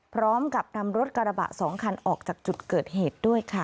พร้อมกับนำรถกระบะ๒คันออกจากจุดเกิดเหตุด้วยค่ะ